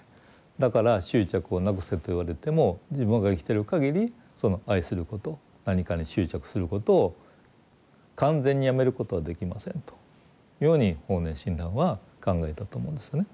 だから執着をなくせと言われても自分が生きてるかぎりその愛すること何かに執着することを完全にやめることはできませんというように法然親鸞は考えたと思うんですよね。